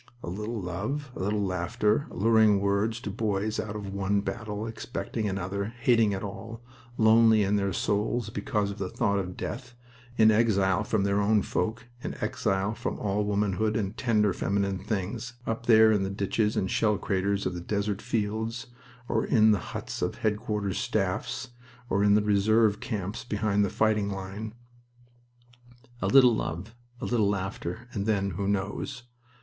A little love... a little laughter alluring words to boys out of one battle, expecting another, hating it all, lonely in their souls because of the thought of death, in exile from their own folk, in exile from all womanhood and tender, feminine things, up there in the ditches and shellcraters of the desert fields, or in the huts of headquarters staffs, or in reserve camps behind the fighting line. A little love, a little laughter, and then who knows?